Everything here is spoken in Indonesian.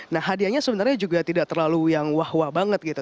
nah hadiahnya sebenarnya juga tidak terlalu yang wah wah banget gitu